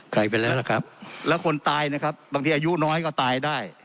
ไปแล้วล่ะครับแล้วคนตายนะครับบางทีอายุน้อยก็ตายได้